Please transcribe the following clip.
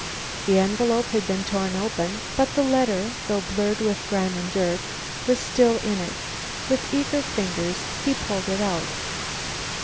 The envelope had been torn open, but the letter, though blurred with grime and dirt, was still in it. With eager fingers he pulled it out.